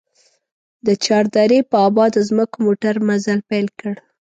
د چار درې په ابادو ځمکو موټر مزل پيل کړ.